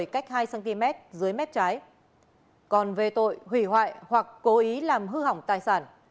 còn về tội hủy hoại hoặc cố ý làm hư hỏng tài sản